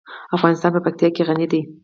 افغانستان په پکتیا غني دی.